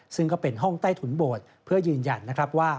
ซึ่งก็เป็นห้องใต้ถุนโบสถ์เพื่อยืนยันนะครับว่า